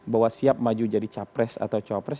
bahwa siap maju jadi capres atau cawapres